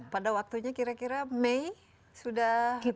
pada waktunya kira kira mei sudah